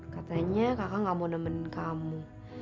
katanya kakak gak mau nemenin kamu